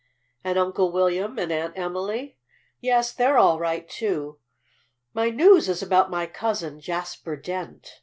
"And Uncle William and Aunt Emily?" "Yes, they're all right, too. My news is about my cousin, Jasper Dent.